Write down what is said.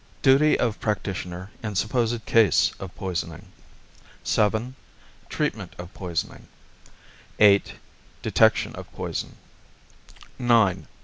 Duty of Practitioner in Supposed Case of Poisoning 89 VII. Treatment of Poisoning 90 VIII. Detection of Poison 91 IX.